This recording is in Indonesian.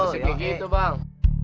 seking itu bang